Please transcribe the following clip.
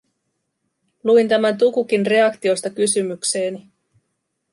Luin tämän Tukukin reaktiosta kysymykseeni.